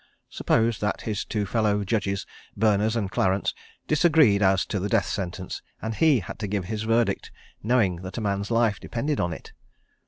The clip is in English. Suppose that his two fellow judges, Berners and Clarence, disagreed as to the death sentence, and he had to give his verdict, knowing that a man's life depended on it!